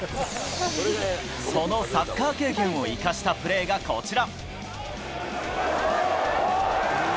そのサッカー経験を生かしたプレーがこちら。